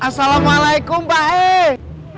assalamualaikum pak peh